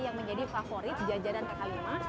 yang menjadi favorit jajanan kaki lima